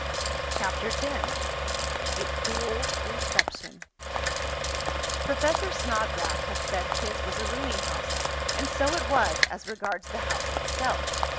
CHAPTER X A COOL RECEPTION Professor Snodgrass had said his was a roomy house, and so it was as regards the house itself.